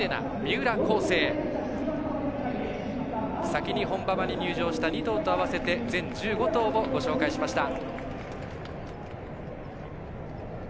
先に本馬場に入場した２頭と合わせて全１５頭をご紹介しました。